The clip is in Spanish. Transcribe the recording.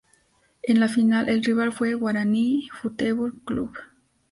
En la final el rival fue Guaraní Futebol Clube.